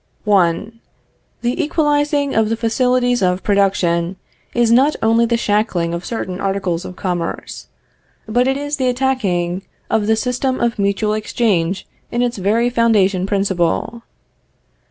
I. The equalizing of the facilities of production, is not only the shackling of certain articles of commerce, but it is the attacking of the system of mutual exchange in its very foundation principle.